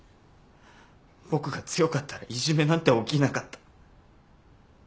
僕が強かったらいじめなんて起きなかった。